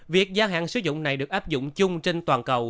việc gia hạn sử dụng này được áp dụng chung trên toàn cầu